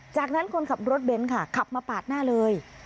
จากนั้นคนขับรถเบนท์ค่ะขับมาปาดหน้าเลย